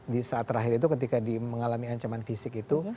di saat terakhir itu ketika dia mengalami ancaman fisik itu